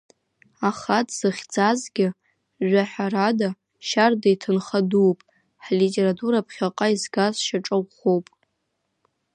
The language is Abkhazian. Аха дзыхьӡазгьы, жәаҳәарада, шьарда иҭынха дууп, ҳлитература ԥхьаҟа изгаз шьаҿа ӷәӷәоуп.